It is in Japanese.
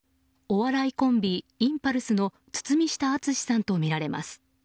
お笑いコンビ、インパルスの堤下敦さんとみられます。